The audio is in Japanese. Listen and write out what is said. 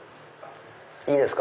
いいですか？